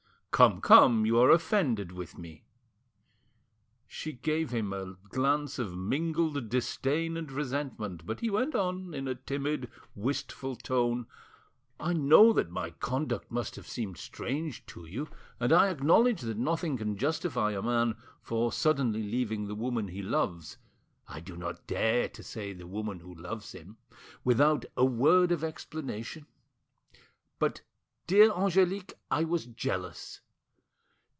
"Come, come, you are offended with me." She gave him a glance of mingled disdain and resentment; but he went on, in a timid, wistful tone— "I know that my conduct must have seemed strange to you, and I acknowledge that nothing can justify a man for suddenly leaving the woman he loves—I do not dare to say the woman who loves him—without a word of explanation. But, dear Angelique, I was jealous."